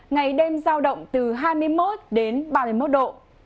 ngày đêm giao động từ hai mươi một đến ba mươi một độ